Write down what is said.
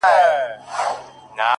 o څه مي ارام پرېږده ته؛